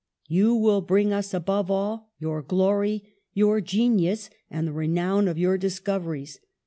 You will bring us, above all, your glory, your genius, and the re nown of your discoveries.